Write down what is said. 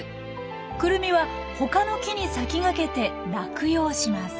クルミは他の木に先駆けて落葉します。